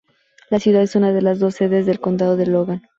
La ciudad es una de las dos sedes del condado de Logan.